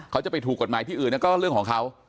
เขาจะไปถูกกฎหมายที่อื่นก็เรื่องของเขา